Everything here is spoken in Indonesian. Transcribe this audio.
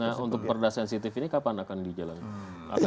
nah untuk perda sensitif ini kapan akan dijalankan